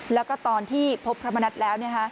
แล้วก็ตอนที่พบพระมณัฐแล้ว